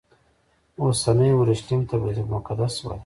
اوسني اورشلیم ته بیت المقدس وایي.